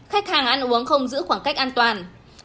khách hàng ăn uống không giữ khoảng cách an toàn